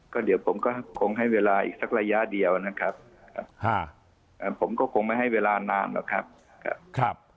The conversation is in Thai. ก็เดี๋ยวผมก็คงให้เวลาอีกสักระยะเดียวนะครับผมก็คงไม่ให้เวลานานหรอกครับ